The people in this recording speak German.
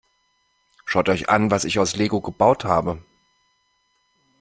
Schaut euch an, was ich aus Lego gebaut habe!